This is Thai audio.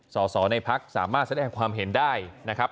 ส่อในภักดิ์สามารถจะได้ความเห็นได้นะครับ